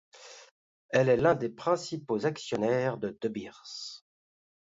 Elle est l'un des principaux actionnaires de De Beers.